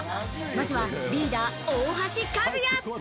まずはリーダー、大橋和也。